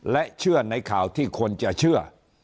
และเชื่อในข่าวที่คนจะเชื่อ